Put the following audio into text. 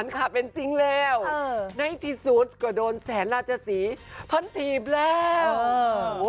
ค่ะเป็นจริงแล้วในที่สุดก็โดนแสนราชศรีพันถีบแล้ว